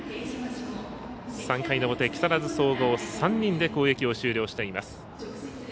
３回の表、木更津総合３人で攻撃を終了しています。